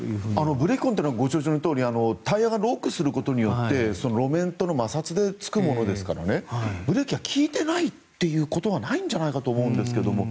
ブレーキ痕ってのはタイヤがロックすることで路面との摩擦でつくものですからブレーキが利いてないっていうことはないんじゃないかと思うんですけども。